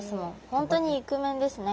本当にイクメンですね。